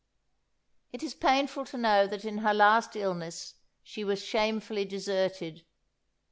'" It is painful to know that in her last illness she was shamefully deserted.